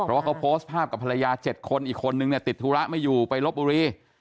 เพราะว่าเขาโพสต์ภาพกับภรรยา๗คนอีกคนนึงเนี่ยติดธุระไม่อยู่ไปลบบุรี